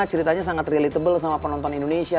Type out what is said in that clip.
ceritanya sangat relatable sama penonton indonesia